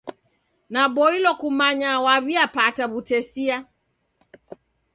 Naboilwa kumanya waw'iapata w'utesia.